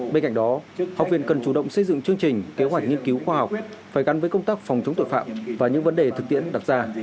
bên cạnh đó học viện cần chủ động xây dựng chương trình kế hoạch nghiên cứu khoa học phải gắn với công tác phòng chống tội phạm và những vấn đề thực tiễn đặt ra